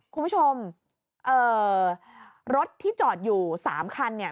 คุณผู้ชมรถที่จอดอยู่๓คันเนี่ย